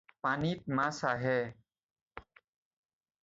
পানীত মাছ আহে।